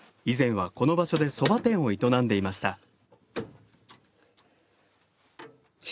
以前はこの場所でそば店を営んでいました。